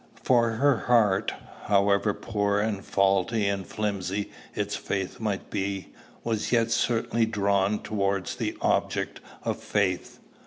For her heart, however poor and faulty and flimsy its faith might be, was yet certainly drawn towards the object of faith.